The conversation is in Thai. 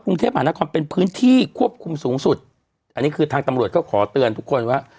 กรุงเทพมหานครเป็นพื้นที่ควบคุมสูงสุดอันนี้คือทางตำรวจก็ขอเตือนทุกคนว่า